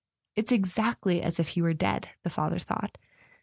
"It's exactly as if he were dead," the father thought.